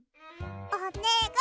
おねがい！